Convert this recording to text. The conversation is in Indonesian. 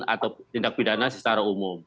atau tindak pidana secara umum